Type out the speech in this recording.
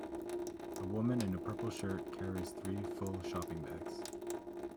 A woman in a purple shirt carries three full shopping bags.